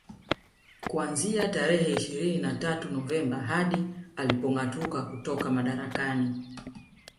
Kuanzia tarehe ishirini na tatu Novemba hadi alipongâatuka kutoka madarakani